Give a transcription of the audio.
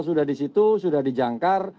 sudah di situ sudah dijangkar